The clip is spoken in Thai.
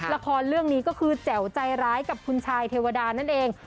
ละครเรื่องนี้ก็คือแจ๋วใจร้ายกับคุณชายเทวดานั่นเอง